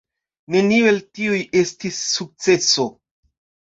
Neniu el tiuj estis sukceso.